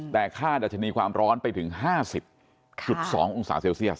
แต่ค่าดัชนีความร้อนไปถึง๕๐๒องศาเซลเซียส